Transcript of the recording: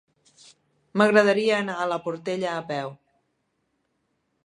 M'agradaria anar a la Portella a peu.